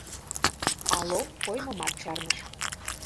А Лом коймымат чарныш.